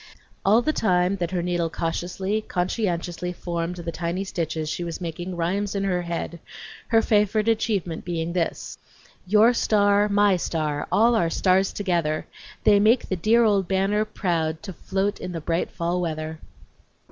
All the time that her needle cautiously, conscientiously formed the tiny stitches she was making rhymes "in her head," her favorite achievement being this: "Your star, my star, all our stars together, They make the dear old banner proud To float in the bright fall weather."